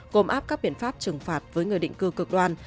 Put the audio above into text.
gồm áp các biện pháp trừng phạt với người định cư cực đoan